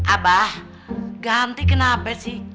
abah ganti kenapa sih